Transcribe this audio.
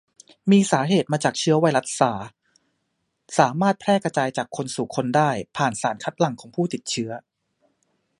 มีสาเหตุมาจากเชื้อไวรัสซาร์ส สามารถแพร่กระจายจากคนสู่คนได้ผ่านสารคัดหลั่งของผู้ติดเชื้อ